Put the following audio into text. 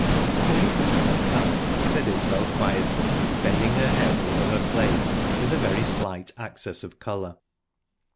"Very well I'll come," said Isbel quietly, bending her head over her plate, with a very slight access of colour.